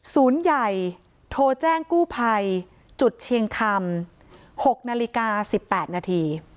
ศูนย์ใหญ่โทรแจ้งกู้ภัยจุดเชียงคำ๖นาฬิกา๑๘นาที